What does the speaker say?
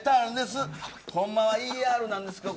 ほんまはＥＲなんですけど。